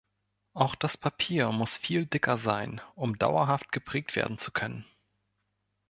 Auch das Papier muss viel dicker sein, um dauerhaft geprägt werden zu können.